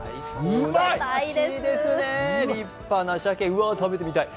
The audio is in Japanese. うらやましいですね、立派な鮭うわっ、食べてみたい。